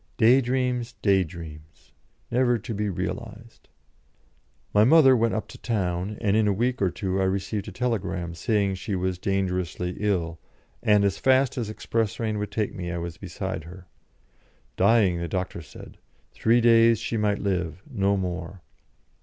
Day dreams; day dreams! never to be realised. My mother went up to town, and in a week or two I received a telegram, saying she was dangerously ill, and as fast as express train would take me I was beside her. Dying, the doctor said; three days she might live no more.